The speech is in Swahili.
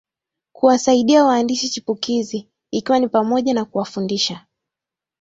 Kuwasaidia waandishi chipukizi ikiwa ni pamoja na kuwafundisha